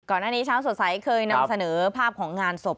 ก่อนหน้านี้ชาวสดใสเคยนำเสนอภาพของงานศพ